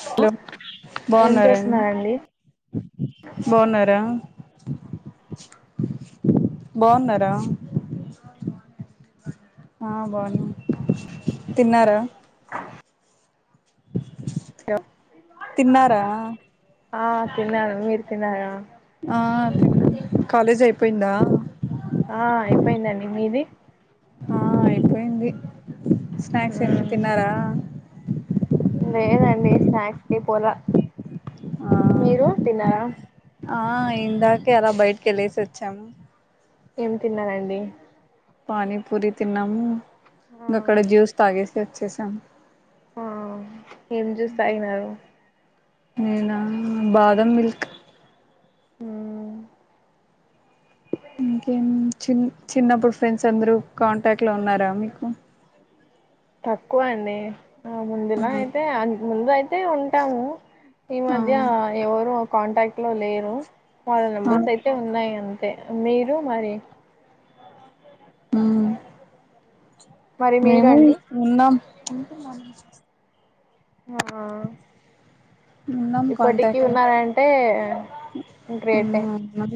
Hello ఏం బాన్నారా అండి చేస్తున్నారండి బాన్నారా బాగున్నారా ఆ బాగున్నాం తిన్నారా [inaudible] తిన్నారా ఆ తిన్నాను మీరు తిన్నారా ఆ కాలేజ్ అయిపోయిందా ఆ అయిపోయిందండి మీది ఆ అయిపోయింది స్నాక్స్ ఏమి తిన్నారా లేదండి స్నాక్స్ కి పొలా ఆ మీరు తిన్నారా ఆ ఇందాక్ అలా బయటికి ఎళ్ళేసి వచ్చాము ఏం తిన్నారండి పానీపూరి తిన్నాము ఆ ఇంగ అక్కడ జ్యూస్ తాగేసి వచ్చేసాం ఆ ఏం జ్యూస్ తాగినారు నేనా బాదం మిల్క్ ఉమ్ ఇంకేం చి చిన్నప్పుడు ఫ్రెండ్స్ అందరు కాంటాక్ట్ లో ఉన్నారా మీకు తక్కువ అండి ముందులా అయితే ముందు అయితే ఉంటాము ఈ ఆ మధ్య ఎవరు కాన్ కాంటాక్ట్ లో లేరు వాళ్ళ నెంబర్స్ ఆ అయితే ఉన్నాయి అంతే మీరు మరి ఊమ్ మరి మీరు మేము అండి ఉన్నాం ఉంటున్నాము ఆ ఉన్నాం ఇప్పటికీ ఉన్నారంటే గ్రేటే ఉమ్ అ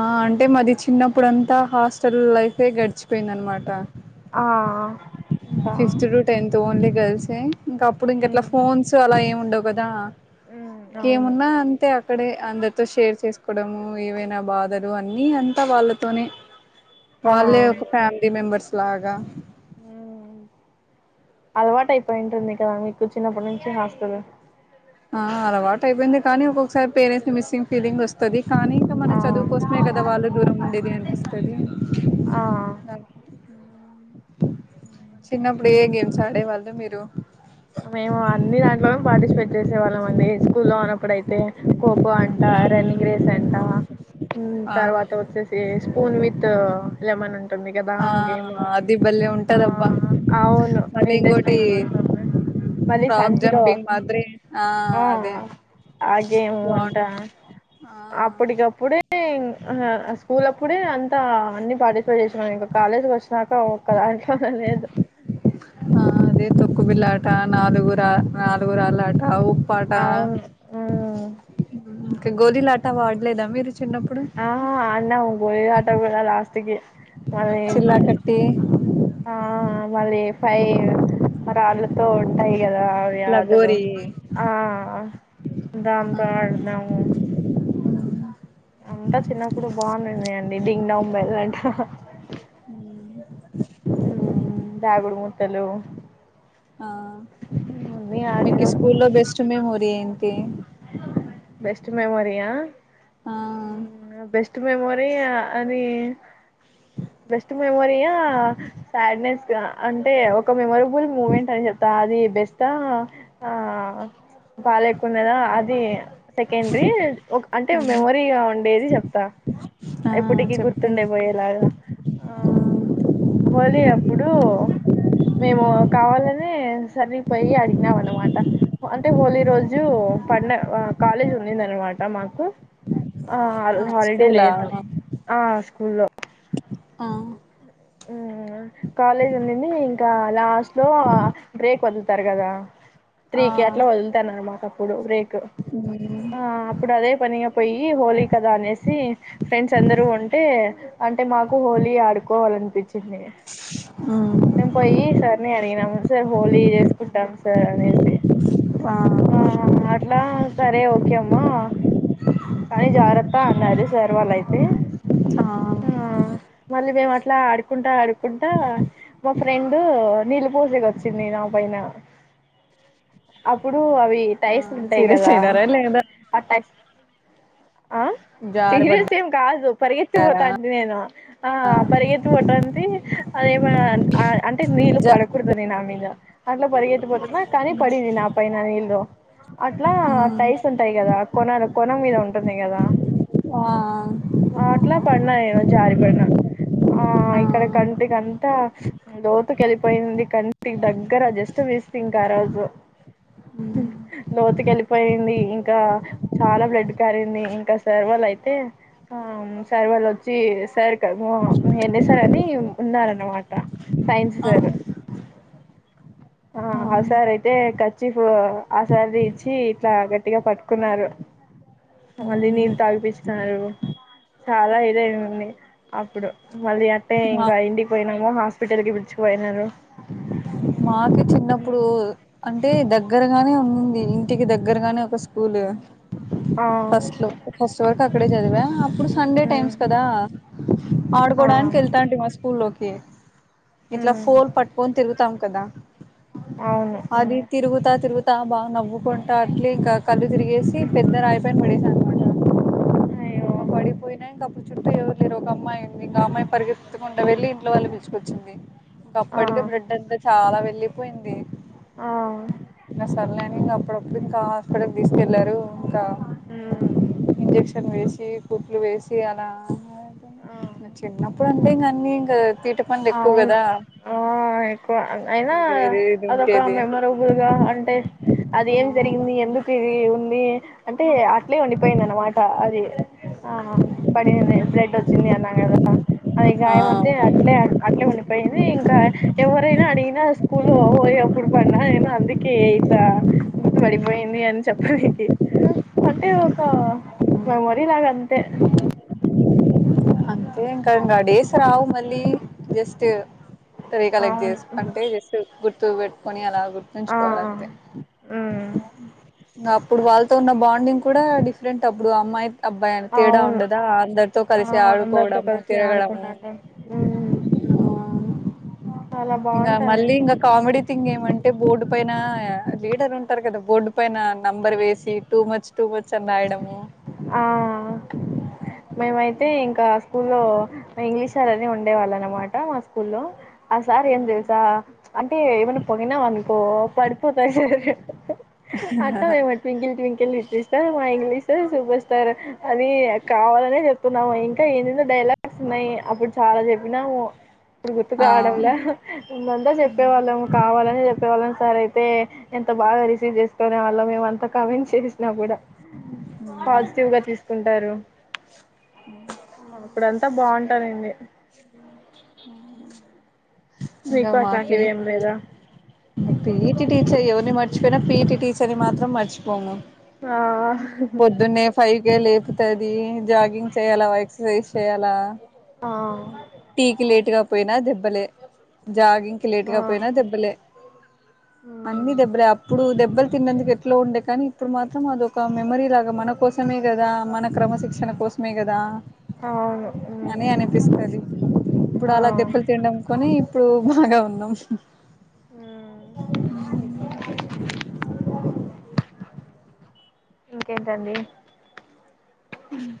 ఆ అంటే మాది చిన్నప్పుడు అంత హాస్టల్ లైఫే గడిచిపోయింద అన్ మాట ఆ ఇంకా ఫిఫ్త్ టు టెన్త్ ఓన్లీ గల్సే ఇంకా అప్పుడు ఉమ్ ఇంకెట్లా ఫోన్స్ అలా ఏం ఉండవు కదా ఉమ్ అవును ఏమున్నా అంతే ఇక్కడే అందరితో షేర్ చేసుకోవడము ఏవైనా బాధలు అన్ని అంతా వాళ్ళతోనే ఆ వాళ్ళే ఒక ఫ్యామిలీ మెంబర్స్ లాగా హ్మ్ అలవాటు అయిపోయింటుంది కదా మీకు చిన్నప్పటి నుంచి హాస్టలు ఆ అలవాటు అయిపోయింది కానీ ఒక్కొకసారి పేరెంట్స్ ని మిస్సింగ్ ఫీలింగ్ వస్తది కానీ ఇంక ఆ మన చదువుకోసమే కదా వాళ్ళు దూరం ఉండేది అనిపిస్తది ఆ చిన్నప్పుడు ఏ గేమ్స్ ఆడేవాళ్ళు మీరు మేము అన్ని దాంట్లోనే పార్టిసిపేట్ చేసే వాళ్ళం అండి స్కూల్లో ఉన్నప్పుడయితే ఖోఖో అంట రన్నింగ్ రేస్ అంట హ్మ్ ఆ తర్వాత వచ్చేసి స్పూన్ విత్ లెమనం ఉంది గదా ఆ గేము అది బలే ఆ ఉంటదబ్బా అవును మళ్ళీ ఇంట్రెస్ట్ ఇంకోటి అయినా ఉంటది మళ్ళీ రాక్ సంచిలో జంపింగ్ మాదిరి ఆ అదే బాగుం అగేమంటా ఆ అప్పటికప్పుడే ఆ స్కూల్ అప్పుడే అంతా అన్ని పార్టిసిపేట్ చేసినా ఇంక కాలేజ్కి వచ్చినాక ఒక దాంట్లో లేదు ఆ అదే తొక్కు బిల్ళట నాలుగురా నాలుగురాళ్ళ ఆట ఆ ఉప్పట అవును ఉమ్. గోలీలాటా వాడ్లేదా మీరు చిన్నప్పుడు ఆహా అన్నా ఉ బొయ్యటా కూడా లాస్ట్ కి మళ్ళీ చిల్లాకట్టి ఆ మరి ఫై మ రాళ్ళతో ఉంటయి కదా అదిఆదత్ర తో లగోరి ఆ దాంతో ఆడుదాము డి డింగ్ న ఉమ్మ వెళంట ఆ దాగుడు ముతలు ఆ మీకు ఈ స్కూల్లో బెస్ట్ మెమోరీ ఏం తే బస్ట్ మెమోరియా ఆ మ్ బెస్ట్ స్ట్ మెమోరి అ ది బెస్ట్ స్ట్ మెమోరియా సాడ్నెస్గ అంటే ఒక మెమొరబుల్ మూమెంట్ అని చెప్త అది బెస్ట్ ఆ బాలేకున్నదా అది ఓకేండీ ఒక అంటే ఆ మెమోరీగ ఉండేది చెప్త ఆ ఎప్పుటికీ చెప్పు గుర్తుండేపోయేలాగ ఆ హోలీ అప్పుడూ మేము కావాలనే సరిగిపోయి అడిగినాం అనమాట అంటే హోలీ రోజు పండ కాలేజ్ ఉండిందనమాట మాకు ఆ హాల్డే లేదు ఆ స్కూల్లో ప ఉమ్ కాలేజ్ ఉండి ఇంకా లాస్ట్ లో బ్రేక్ వదుతుంది స్తర్ కదా త్రీ ఆ కెట్లా వదులుతార్ అని మాట అప్పుడు బ్రేక్ అప్పుడు అదే పని పోయి హోలీ కదా అనేసి ఫ్రెండ్స్ అందరూ ఉంటే అంటే మాకు హోలీ ఆడుకోవాలంట పిచ్చిదే మ్ సర్ని అడిగినాము సార్ హోలీ చేసుకుంటాం సార్ అనేసి అ ఆర్ట్ లా సరే ఓకే అమ్మా కానీ జాగ్రత్త అన్నారు సర్ వాళ్ళయితే ఆ మళ్ళీ మేము అట్లా ఆడుకుంటా ఆడుకుంటా మా ఫ్రెండ్ నిలుపోసెకి వచ్చింది నా పైన అప్పుడు అవి డైస్ ఉంటాయి సీరియస్ కదా అయినారా లేదా ఆ టైస్ ఆ జారి సీరియస్ ఏం కాదు పరిగెత్తిపోతా పడ్డారా అండి నేను ఆ పరిగెత్తిపోటానికి అదే మన్ ఆ అంటే నీళ్ళు జ పడకూడదు అని నా మీద అ ట్లో పరిగెత్ పోతుంది కానీ పడినై నా పైన నీళ్ళు అట్లా టైస్ ఉంటాయి కదా కొనాల మీద ఉంటుంది కదా ఆ అట్ల పడినా నేను జారి పడిన ఆ ఇక్కడ ఆ కంటి కంతా లోతుక వెళ్ళిపోయింది కంటి ఇటికి దగ్గర జస్ట్ వీస్ ఇంకా ఆ రోజు లోతుకెలిపి పోయింది ఇంకా చాలా బ్లడ్ కారంది ఇంకా సార్ వాళ్ళు అయితే ఆ సార్ వాళ్ళు వచ్చి సార్ ఎళసార్ అని ఉన్నారనమాట సైన్స్ ఆ సార్ ఆ ఆ సార్ అయితే కర్చీఫ్ ఆ సార్ ది ఇచ్చి ఇట్లా గట్టిగా పట్టుకున్నారు మళ్ళీ నీళ్ళు తగిపించినారు చాలా ఇదిఅయింది అప్పుడు మళ్ళీ మా ఇంకా ఇంటికి పోయినాక హాస్పిటల్ కి పీల్చుకుపోయినారు మాకు చిన్నప్పుడు అంటే అంటే దగ్గరగానే ఉన్నింది ఇంటికి దగ్గరగానే ఒక స్కూల్ ఆ ఉమ్ ఫస్ట్ లో ఫస్ట్ వరకు అక్కడే చదివా ఇప్పుడు సండే టైమ్స్ కదా ఆ ఆడుకోడానికి వెళ్తంటుమి ఆ స్కూల్లోకి కి ఇట్లా ఉమ్ పోల్ పట్టుకొని తిగుతా కదా అవును అది ఉమ్ తిరుగుతా తిరుగుత బాగా నవ్వుకుంటా అట్లి క కళ్ళు తిరిగేసి పెద్ద రాయపైన పడిన అయ్యో ఇక పడి పోయినా చుట్టూ ఎవ్వరులేరు ఒక అమ్మాయి ఉంది ఇక అమ్మాయి పరుగెత్తూకుంటు వెళ్లి ఇట్లో వాళ్లన పిలుచుకొచ్చింది ఇంకా ఆ అప్పటికే బ్లడ్ అంత చాలా వెళ్ళిపోయింది ఆ అ సర్లే ఇంగ అప్పుడప్పుడు ఇంకా హాస్పిటల్కి తీసుకెళ్లారు ఇంకా ఉమ్ ను వేసి కుట్లు వేసి అలా ఆ చిన్నప్పుడు అంటే ఇంకా అన్నీ ఇంకా ద తీట పనులు ఎక్కువ అవును కదా ఆ ఎక్కువ అయినా ఎగిరేది అదొక దుంకేది మెమొరబుల్గా అంటే అది ఏం జరిగింది ఎందుకు ఇది ఉంది అంటే అట్లే ఉండిపోయింది అన్నమాట అది ఆ పడింది బ్లెడ్ వచ్చింది అన్నగధ అది ఆ ఆ గాయం అంతే అట్లే అవును. ఇట్లే ఉండిపోయింది ఇంకా ఎవరైనా అడిగినా స్కూల్ పోయఅప్పుడు పడినా నేను అందుకే ఇట్లా గుర్తు పడిపోయింది అని చెప్పడానికి అంటే ఒక మెమొరీ లాగ అంతే అంతే ఇంకా ఇంగాడేస్ రావు మళ్ళీ జస్ట్ తది. కలెక్ట్ అవును చేస్ అంటే జస్ట్ గు తూ పెట్కొని అలా ఆ గుర్తుంచుకోవాలంతే హ్మ్. ఇంగ అప్పుడు వాళ్ళతో ఉన్న బాండింగ్ కూడా డిఫరెంట్ అప్పుడు అమ్మాయి అబ్బాయని తేడా అవును ఉండదా అందర్తో కలిసి ఆ అందరితో ఆడుకోవడము కల్సి తిరగడము ఆడుకుండడం మ్ ఇంగా మళ్ళీ ఇంకా కామెడీ థింగ్ ఏమం అంటే బోర్డు పైన లీడర్ ఉంటారు కదా బోర్డు పైన నెంబర్ వేసి టూ మచ్ టూ మచ్ అని రాయడము ఆ మామై తే ఇంకా స్కూల్లో ఇంగ్లీష్ సార్ అని ఉండే వాళ్ళు అన్నమాట మా స్కూల్లో ఆ సార్ ఏం తెల్సా అంటే ఏమైనవనుకో పడిపోతయి సార్ అట్ట మేం ట్వింకిల్ ట్వింకిల్ లిటిల్ ఇట్ మా ఇంగ్లిష్ సార్ సూపర్ స్టార్ అనీ కావాలనే చెప్తున్నాము. ఇంకా ఎందెందో డైలాగ్స్ ఉన్నాయి. అప్పుడు చాలా చెప్పినాము ఇప్పుడు ఆ గుర్తుకురావడంలే. ఉందంతా చెప్పే వాళ్ళము కావాలని చెప్పేవాళ్ళం సార్ తే ఎంత బాగా రిసీవ్ చేస్కోనే వాళ్ళం మేమంతా కమెంట్ చేసినా గుడ పాజిటివ్గా తీస్కుంటారు అప్పుడు అంతా బాగుంటదండి. మీకు అట్లాంటివి ఏం లేదా పిటీ టీచర్ ఎవర్ని మర్చిపోయిన పిటీ టీచర్ని మాత్రం మర్చిపోము. ఆ ఇగ లేపుతద్ ది జాగింగ్ చేయాల [unintelligible] రేస్ చేయాలా ఆ టీ కి లేట్గా పోయినా దెబ్బలే జాగింగ్కి ఆ లేట్గా పోయినా దెబ్బలే అన్ని మ్మ్ దెబ్బలే అప్పుడు దెబ్బల్ తిన్నందుకు ఎట్లో ఉండే కానీ ఇప్పుడు మాత్రం అదొక మెమొరిలాగ మన కోసమే కదా మన క్రమశిక్షణ కోసమే కదా అవును అని మ్మ్ అనిపిస్తది. ఇప్పుడు ఆ అలా దెబ్బలు తినడం కొని ఇప్పుడు బాగా ఉన్నాం. [inaudible] మ్మ్ ఇంకేంటండి. మ్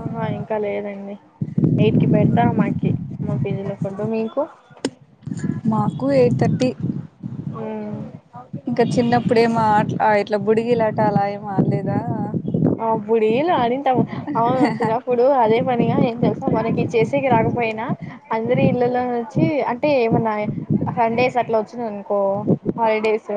ఆహా ఇంకా లేదండి ఎయిట్కి పెడతారు మాకి మా పిజి లో ఫూడ్ మీకు మాకు ఎయిట్ థర్టీ మ్మ్ ఇంకా చిన్నప్పుడు ఏమో అట్లా ఇట్లా బుడిగి లాట అలా ఏం అడలేదా ఆ బుడిీలు అడింటాము అవును చిన్నప్పుడు అదే పనిగా ఏం తెలుసు స మనకి చేసేకి రాకపోయినా అందరి ఇళ్లలో వచ్చి అంటే ఏమన్నా సండేస్ అట్లా వచ్చింద అనుకో హాలిడేస్